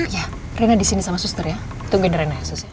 ya rena disini sama suster ya tungguin rena ya suster